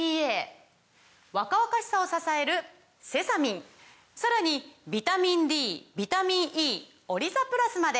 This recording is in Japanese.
若々しさを支えるセサミンさらにビタミンＤビタミンＥオリザプラスまで！